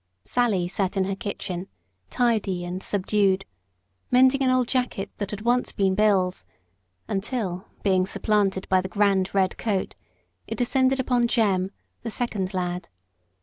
Sally sat in her kitchen, tidy and subdued, mending an old jacket that had once been Bill's, until, being supplanted by the grand red coat, it descended upon Jem, the second lad.